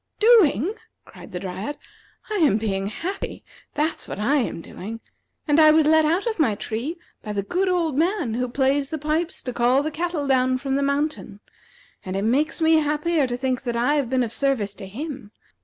"Doing!" cried the Dryad; "I am being happy; that's what I am doing. And I was let out of my tree by the good old man who plays the pipes to call the cattle down from the mountain. And it makes me happier to think that I have been of service to him.